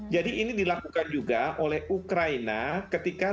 jadi ini dilakukan juga oleh ukraina ketika rusia